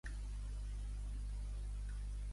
Que no mamaven, els mohicans?